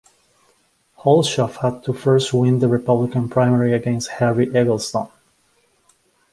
Hulshof had to first win the Republican primary against Harry Eggleston.